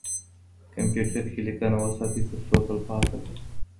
کمپیوتر کې لیکنه وساتئ ترڅو تلپاتې وي.